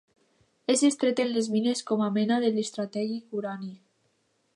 És extret en les mines com a mena de l'estratègic urani.